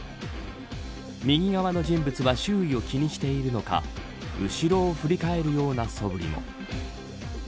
右側の人物は周囲を気にしているのか後ろを振り返るようなそぶりも。